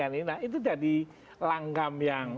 nah itu jadi langgam yang